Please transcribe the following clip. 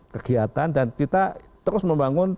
kegiatan dan kita terus membangun